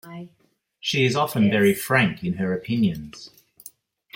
She is often very frank in her opinions.